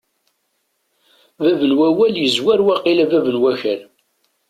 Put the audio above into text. Bab n wawal yezwar waqila bab n wakal.